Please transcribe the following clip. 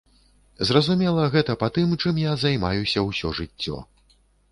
Зразумела гэта па тым, чым я займаюся ўсё жыццё.